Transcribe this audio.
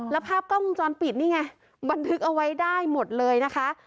แล้วภาพกล้องวงจรปิดนี่ไงบันทึกเอาไว้ได้หมดเลยนะคะ